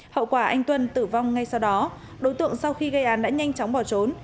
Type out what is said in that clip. hậu quả anh tuân tử vong ngay sau đó đối tượng sau khi gây án đã nhanh chóng bỏ trốn